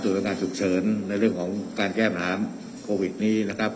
ส่วนอาการฉุกเฉินในเรื่องของการแก้ปัญหาโควิดนี้นะครับ